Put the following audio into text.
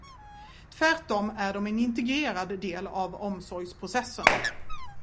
Tvärtom är de en integrerad del av omsorgsprocesserna.